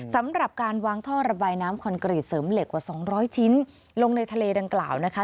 สำหรับการวางท่อระบายน้ำคอนกรีตเสริมเหล็กกว่า๒๐๐ชิ้นลงในทะเลดังกล่าวนะคะ